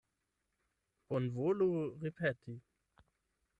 Bonvolu ripeti.